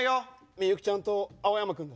みゆきちゃんと青山君だ。